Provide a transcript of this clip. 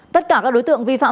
tất cả các đối tượng vi phạm